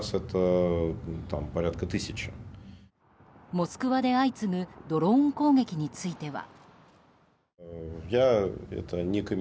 モスクワで相次ぐドローン攻撃については。